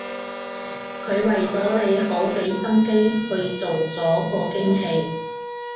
佢為咗你好畀心機去做咗個驚喜